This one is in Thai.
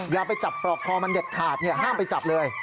อย่าไปจับปลอกคอมันเด็ดขาดห้ามไปจับเลย